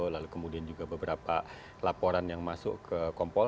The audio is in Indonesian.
lalu kemudian juga beberapa laporan yang masuk ke kompol